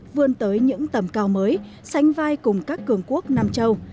vươn tới những tầm cao mới sánh vai cùng các cường quốc nam châu